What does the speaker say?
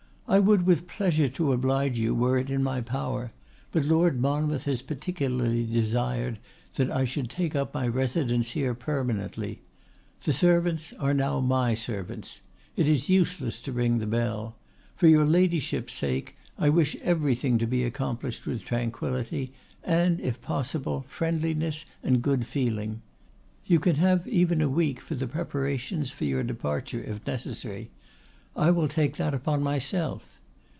'I would with pleasure, to oblige you, were it in my power; but Lord Monmouth has particularly desired that I should take up my residence here permanently. The servants are now my servants. It is useless to ring the bell. For your Ladyship's sake, I wish everything to be accomplished with tranquillity, and, if possible, friendliness and good feeling. You can have even a week for the preparations for your departure, if necessary. I will take that upon myself.